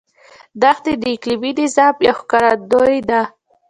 دښتې د اقلیمي نظام یو ښکارندوی دی.